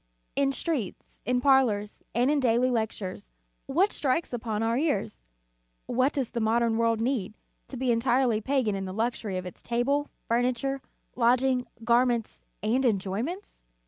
In streets, in parlors, and in daily lectures, what strikes upon our ears? What does the modern world need, to be entirely pagan in the luxury of its table, furniture, lodging, garments and enjoyments?